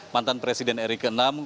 mantan presiden erikenam